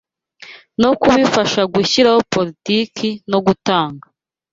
no kubifasha gushyiraho politiki no gutanga